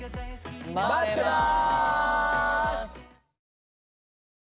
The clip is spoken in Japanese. まってます！